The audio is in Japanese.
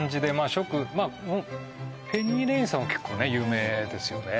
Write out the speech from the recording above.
食ペニーレインさんは結構ね有名ですよね